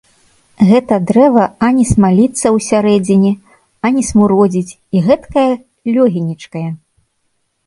Гэта дрэва ані смаліцца ўсярэдзіне, ані смуродзіць і гэткая лёгенечкая!